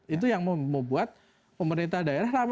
itu yang membuat pemerintah daerah rame rame